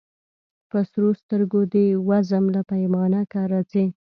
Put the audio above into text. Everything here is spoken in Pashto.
په سرو سترګو دي وزم له پیمانه که راځې